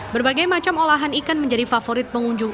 berbagai macam olahan ikan menjadi favorit pengunjung